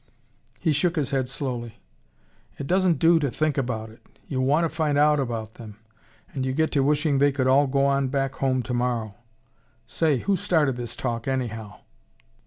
He shook his head, slowly. "It doesn't do to think about it. You want to find out about them ... and you get to wishing they could all go on back home to morrow. Say, who started this talk, anyhow?